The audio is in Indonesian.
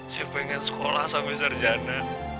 siapa pengen sekolah sama sarjana